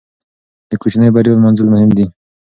د کوچنۍ بریا لمانځل مهم دي.